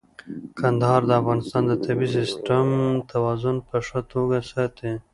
کندهار د افغانستان د طبیعي سیسټم توازن په ښه توګه ساتي.